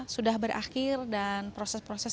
sudah berakhir dan proses proses